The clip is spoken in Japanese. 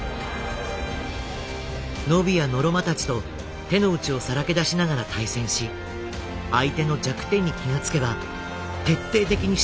ノビやノロマたちと手の内をさらけ出しながら対戦し相手の弱点に気が付けば徹底的に指摘し合いました。